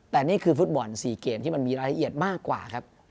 แต่นี่คือฟุตบอล๔เกมที่มันมีรายละเอียดมากกว่าครับ